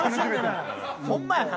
ホンマやな。